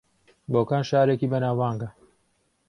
بۆکان شارێکی بەناوبانگە